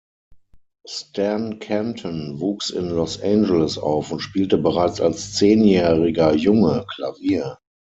Stan Kenton wuchs in Los Angeles auf und spielte bereits als zehnjähriger Junge Klavier.